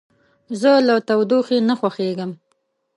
زه له تودوخې نه خوښیږم.